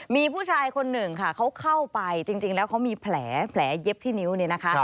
มีผู้ชายคนหนึ่งค่ะเขาเข้าไปจริงแล้วเขามีแผลเย็บที่นิ้วเนี่ยนะคะ